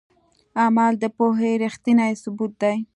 عمل د پوهې ریښتینی ثبوت دی.